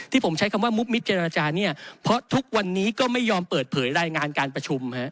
ผมใช้คำว่ามุบมิดเจรจาเนี่ยเพราะทุกวันนี้ก็ไม่ยอมเปิดเผยรายงานการประชุม